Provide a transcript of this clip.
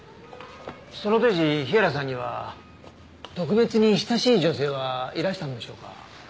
その当時日原さんには特別に親しい女性はいらしたのでしょうか？